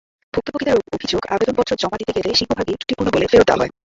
ভুক্তভোগীদের অভিযোগ, আবেদনপত্র জমা দিতে গেলে সিংহভাগই ত্রুটিপূর্ণ বলে ফেরত দেওয়া হয়।